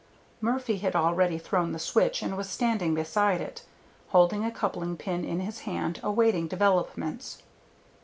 Murphy had already thrown the switch and was standing beside it, holding a coupling pin in his hand, awaiting developments.